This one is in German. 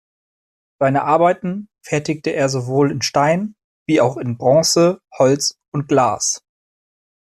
Seine Arbeiten fertigte er sowohl in Stein wie auch in Bronze, Holz und Glas.